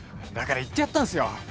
だから言ってやったんすよ。